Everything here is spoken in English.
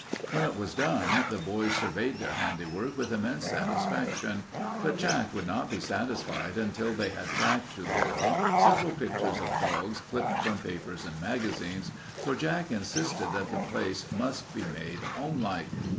When it was done, the boys surveyed their handiwork with immense satisfaction, but Jack would not be satisfied until they had tacked to the wall several pictures of dogs clipped from papers and magazines, for Jack insisted that the place must be made homelike.